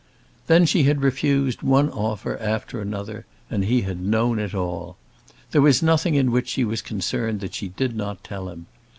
Then she had refused one offer after another, and he had known it all. There was nothing in which she was concerned that she did not tell him.